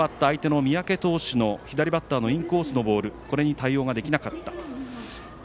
代わった相手の三宅投手の左バッターのインコースのボールに対応ができなかった。